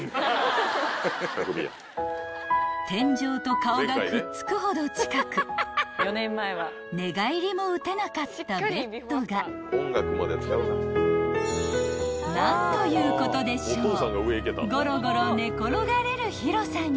［天井と顔がくっつくほど近く寝返りも打てなかったベッドが何ということでしょう］